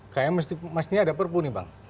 kayaknya mestinya ada perpu nih bang